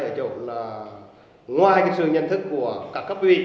ở chỗ là ngoài cái sự nhân thức của các cấp vị